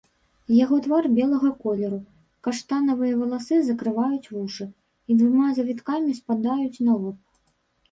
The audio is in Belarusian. Яго твар белага колеру, каштанавыя валасы закрываюць вушы і двума завіткамі спадаюць на лоб.